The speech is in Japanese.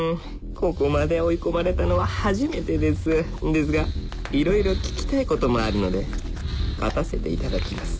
ここまで追い込まれたのは初めてですですがいろいろ聞きたいこともあるので勝たせていただきます